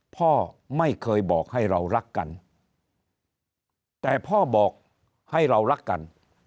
พ่อไม่เคยบอกให้เรารักกันแต่พ่อบอกให้เรารักกัน